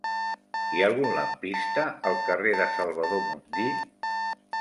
Hi ha algun lampista al carrer de Salvador Mundí?